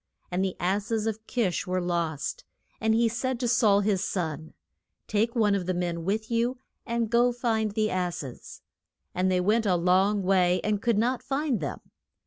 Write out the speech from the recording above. And the ass es of Kish were lost. And he said to Saul, his son, Take one of the men with you, and go find the ass es. And they went a long way and could not find them.